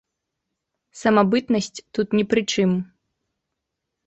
Самабытнасць тут не пры чым.